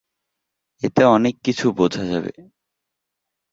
এতে অনেক কিছু বোঝা যাবে।